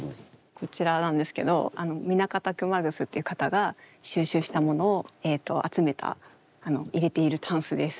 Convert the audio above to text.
こちらなんですけど南方熊楠っていう方が収集したものを集めた入れている箪笥です。